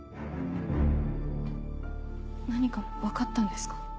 何か分かったんですか？